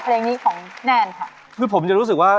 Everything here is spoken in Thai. เพลงนี้ของแนนค่ะ